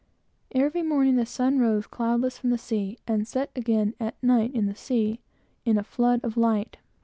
Every morning the sun rose cloudless from the sea, and set again at night, in the sea, in a flood of light.